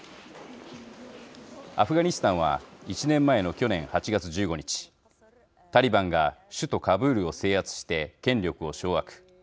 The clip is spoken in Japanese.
アフガニスタンは１年前の去年８月１５日タリバンが首都カブールを制圧して権力を掌握。